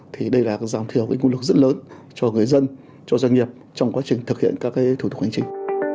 thì đây là dòng thiều nguyên lực rất lớn cho người dân cho doanh nghiệp trong quá trình thực hiện các thủ tục hành chính